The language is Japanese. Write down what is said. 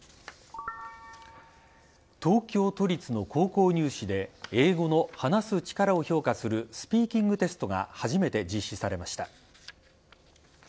東京都立の高校入試で英語の話す力を評価するスピーキングテストが、初めて実施されました。